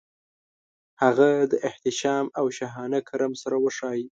هغه د احتشام او شاهانه کرم سره وښايي.